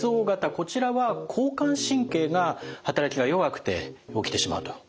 こちらは交感神経が働きが弱くて起きてしまうということでしたね。